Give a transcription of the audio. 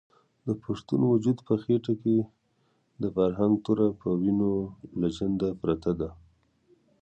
د پښتون وجود په خېټه کې د فرنګ توره په وینو لژنده پرته ده.